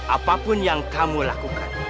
apapun yang kamu lakukan